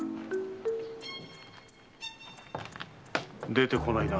出てこないな。